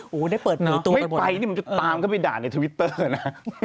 ไม่ไปมันจะตามเข้าไปด่าในทวิตเตอร์นะฮะ